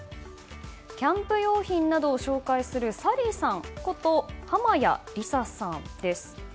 キャンプ用品などを紹介するサリーさんこと濱屋理沙さんです。